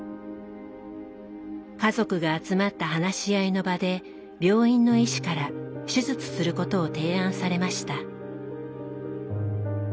家族が集まった話し合いの場で病院の医師から手術することを提案されました。